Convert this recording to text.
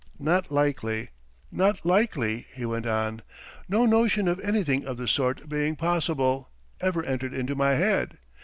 "Not likely, not likely," he went on. "No notion of anything of the sort being possible ever entered into my head.